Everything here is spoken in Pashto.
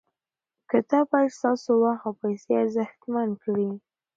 کتاب باید ستاسو وخت او پیسې ارزښتمن کړي.